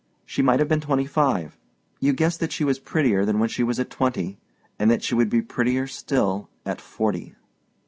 She might have been twenty five; you guessed that she was prettier than she was at twenty, and that she would be prettier still at forty.